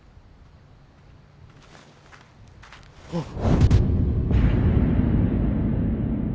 あっ。